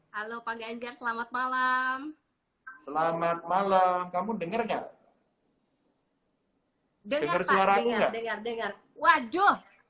halo pak ganjar selamat malam selamat malam kamu dengernya denger suaranya denger dengar waduh